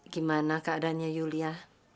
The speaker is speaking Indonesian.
gimana keadaannya yulia